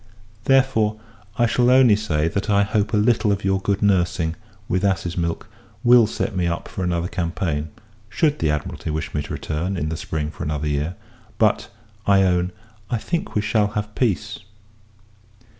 Therefore, I shall only say, that I hope a little of your good nursing, with ass's milk, will set me up for another campaign; should the Admiralty wish me to return, in the spring, for another year: but, I own, I think we shall have peace.